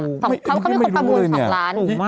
เขาเป็นคนประมูล๒ล้าน